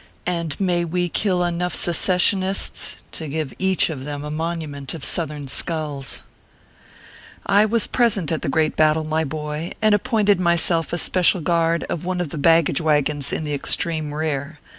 and may we kill enough secessionists to give each of them a monument of Southern skulls ! I was present at the great battle, my boy, and ap pointed myself a special guard of one of the baggage wagons in the extreme rear.